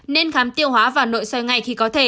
nên khám tiêu hóa vào nước